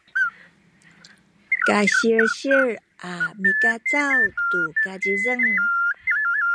kasilsil a mikacaw tu kazizeng